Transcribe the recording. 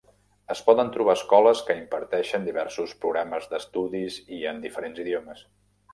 Es poden trobar escoles que imparteixen diversos programes d'estudis i en diferents idiomes.